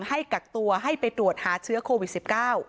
ให้กักตัวให้ไปตรวจหาเชื้อโควิด๑๙